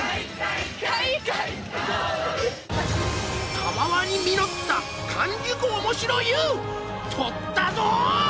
たわわに実った完熟面白ＹＯＵ撮ったど！